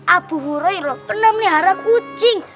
abu hurairah pernah menihara kucing